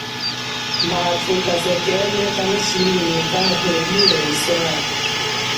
Mathu kazekene kanashinginyeka helu lia iswale.